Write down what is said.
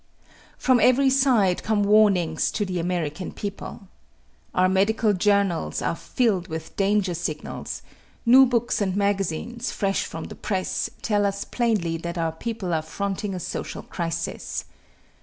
From every side come warnings to the American people. Our medical journals are filled with danger signals; new books and magazines, fresh from the press, tell us plainly that our people are fronting a social crisis.